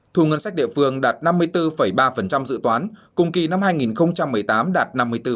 thu ngân sách địa phương đạt năm mươi bốn ba dự toán cùng kỳ năm hai nghìn một mươi tám đạt năm mươi bốn